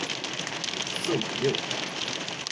四五六